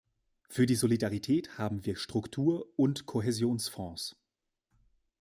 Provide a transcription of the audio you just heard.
Für die Solidarität haben wir Struktur- und Kohäsionsfonds.